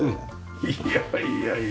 いやいやいや。